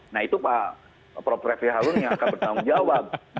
nah itu pak prof refli harun yang akan bertanggung jawab